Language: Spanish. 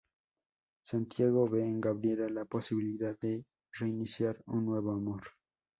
Santiago ve en Gabriela la posibilidad de reiniciar un nuevo amor.